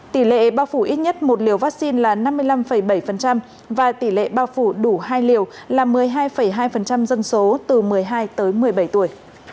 tỷ lệ bao phủ ít nhất một liều vaccine là năm mươi năm bảy và tỷ lệ bao phủ đủ hai liều là một mươi hai hai dân số từ một mươi hai tới một mươi bảy tuổi